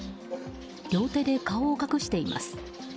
両手で顔を隠しています。